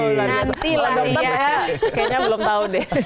nanti lah ya kayaknya belum tahu deh